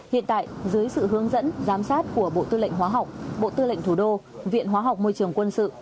hiện tại dưới sự hướng dẫn giám sát của bộ tư lệnh hóa học bộ tư lệnh thủ đô viện hóa học môi trường quân sự